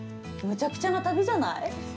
むちゃくちゃな旅じゃない。